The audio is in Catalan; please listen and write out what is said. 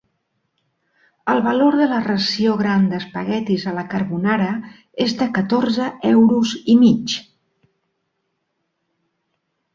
El valor de la ració gran d'espaguetis a la carbonara és de catorze euros i mig.